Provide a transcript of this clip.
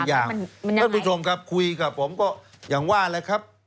ท่านผู้ชมครับคุยกับผมก็อย่างว่าแหละครับ